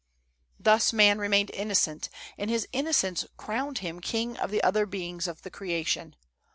"Thus man remained innocent, and his innocence crowned him king of the other beings of the creation.